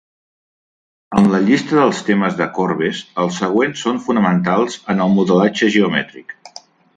En la llista dels temes de corbes, els següents són fonamentals en el modelatge geomètric.